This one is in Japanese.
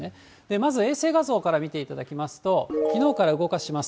まず衛星画像から見ていただきますと、きのうから動かします。